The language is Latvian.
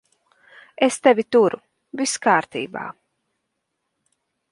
Es tevi turu. Viss kārtībā.